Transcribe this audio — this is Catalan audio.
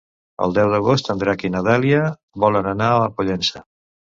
El deu d'agost en Drac i na Dèlia volen anar a Pollença.